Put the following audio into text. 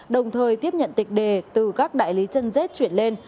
đồng thời tiếp nhận tịch đề từ các đại lý chân rết chuyển lên